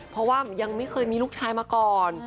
เพราะว่ายังไม่เคยมีลูกชายมาก่อน